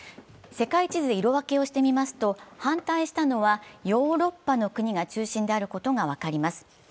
世界地図で色分けをしてみますと、反対したのはヨーロッパの国が中心であることが分かります。